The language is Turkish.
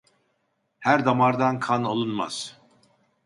Her damardan kan alınmaz.